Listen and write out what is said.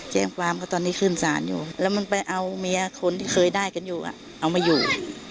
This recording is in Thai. แจ้งความก็ตอนนี้ขึ้นศาลอยู่แล้วมันไปเอาเมียคนที่เคยได้กันอยู่เอามาอยู่